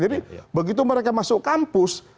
jadi begitu mereka masuk kampus